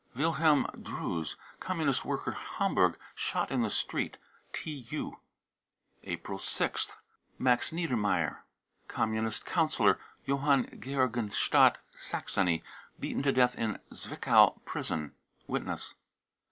\ wilhelm drews, Communist worker, Hamburg, shot in the street. (TU.) April 6th. max niedermayer, Communist councillor, Johann Georgenstadt, Saxony, beaten to death in Zwickau prison. (Witness.)